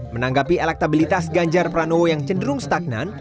menanggapi elektabilitas ganjar pranowo yang cenderung stagnan